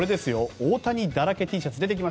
大谷だらけＴシャツ。